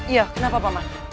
iya kenapa pak man